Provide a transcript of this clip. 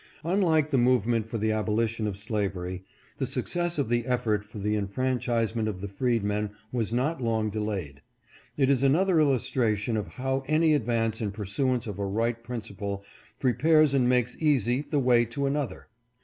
Unlike the movement for the abolition of slavery, the success of the effort for the enfranchisement of the freedmen was not long delayed. It is another illustra tion of how any advance in pursuance of a right prin ciple prepares and makes easy the way to another.